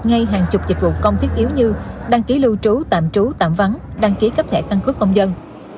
ngay hàng chục dịch vụ công thiết yếu như đăng ký lưu trú tạm trú tạm vắng đăng ký cấp thẻ căn cước công dân